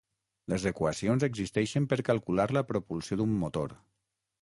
Les equacions existeixen per calcular la propulsió d'un motor.